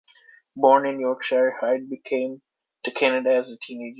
Born in Yorkshire, Hyde came to Canada as a teenager.